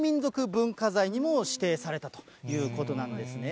文化財にも指定されたということなんですね。